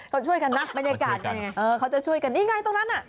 เขาช่วยกันนะบรรยากาศไงเออเขาจะช่วยกันนี่ไงตรงนั้นน่ะ